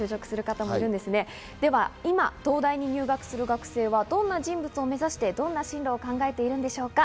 では今、東大に入学する学生はどんな人物を目指して、どんな進路を考えているでしょうか。